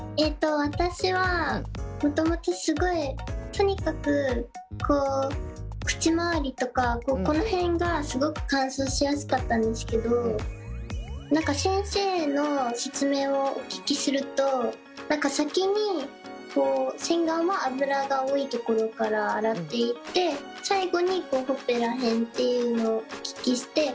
私はもともとすごいとにかく口周りとかこの辺がすごく乾燥しやすかったんですけど何か先生の説明をお聞きすると先に洗顔は脂が多いところから洗っていって最後にほっぺら辺っていうのをお聞きして。